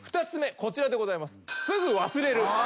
こちらでございます。